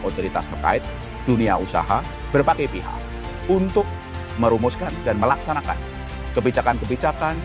otoritas terkait dunia usaha berbagai pihak untuk merumuskan dan melaksanakan kebijakan kebijakan